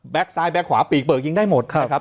แบ็คซ้ายแบ็คขวาปีกเปลือกยิงได้หมดนะครับ